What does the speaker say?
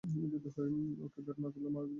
ওকে বের না করলে মারা যাবে।